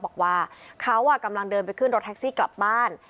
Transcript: บอกว่าเขากำลังเดินไปขึ้นรถแท็กซี่กลับบ้าน